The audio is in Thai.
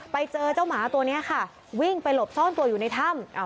ไปเจอเจ้าหมาตัวนี้ค่ะวิ่งไปหลบซ่อนตัวอยู่ในถ้ำ